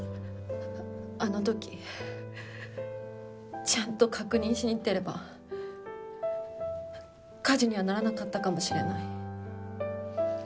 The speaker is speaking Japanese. あの時ちゃんと確認しに行ってれば火事にはならなかったかもしれない。